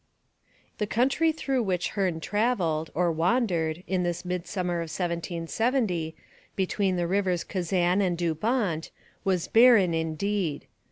The country through which Hearne travelled, or wandered, in this mid summer of 1770, between the rivers Kazan and Dubawnt, was barren indeed.